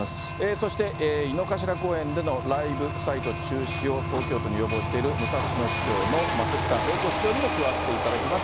そして、井の頭公園でのライブサイト中止を東京都に要望している、武蔵野市長の松下玲子市長にも加わっていただきます。